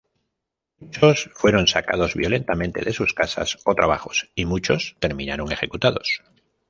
Muchos fueron sacados violentamente de sus casas o trabajos, y muchos terminaron ejecutados.